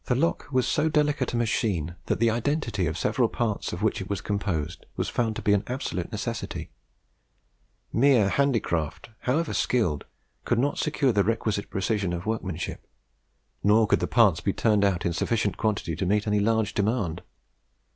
The lock was so delicate a machine, that the identity of the several parts of which it was composed was found to be an absolute necessity. Mere handicraft, however skilled, could not secure the requisite precision of workmanship; nor could the parts be turned out in sufficient quantity to meet any large demand.